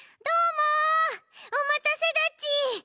どーもおまたせだち！